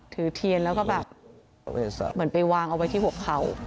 ถือเทียนแล้วก็แบบเหมือนไปวางเอาไว้ที่หัวเข่า